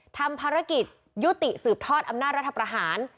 ทำภารกิจยุติสืบทอดอำนาจรัฐประหาร